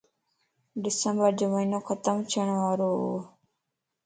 ڊسمبر جو مھينو ختم ڇڻ وارووَ